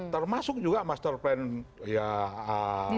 termasuk juga master plan ya